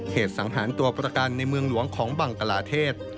สังหารตัวประกันในเมืองหลวงของบังกลาเทศ